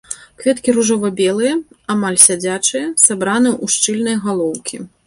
Кветкі ружова-белыя, амаль сядзячыя, сабраны ў шчыльныя галоўкі.